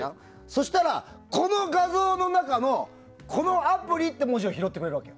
そしたら、この画像の中のこのアプリって文字を拾ってくれるわけ。